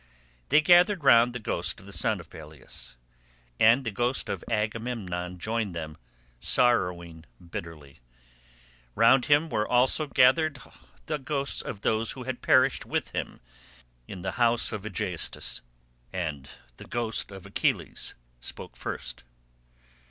They gathered round the ghost of the son of Peleus, and the ghost of Agamemnon joined them, sorrowing bitterly. Round him were gathered also the ghosts of those who had perished with him in the house of Aegisthus; and the ghost of Achilles spoke first.